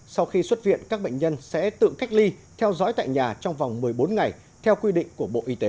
sau khi xuất viện các bệnh nhân sẽ tự cách ly theo dõi tại nhà trong vòng một mươi bốn ngày theo quy định của bộ y tế